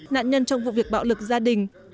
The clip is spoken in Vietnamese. nạn nhân trong vụ việc bạo lực gia đình